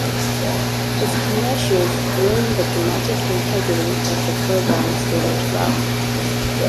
Its commercials ruin the dramatic integrity of the programs they interrupt.